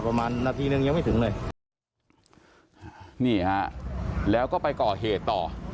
ประมาณนาทีหนึ่งยังไม่ถึงเลยนี่ฮะแล้วก็ไปก่อเหตุต่อ